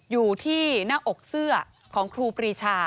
อยู่ที่หน้าอกเสื้อของครูปรีชา